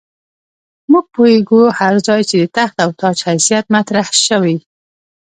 موږ پوهېږو هر ځای چې د تخت او تاج حیثیت مطرح شوی.